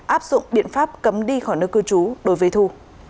áp dụng biện pháp cấm đi khỏi nơi cư trú đối với thu